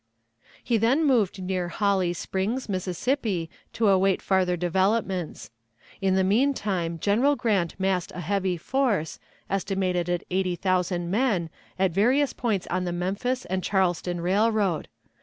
He then moved near Holly Springs, Mississippi, to await farther developments. In the mean time General Grant massed a heavy force, estimated at eighty thousand men, at various points on the Memphis and Charleston Railroad.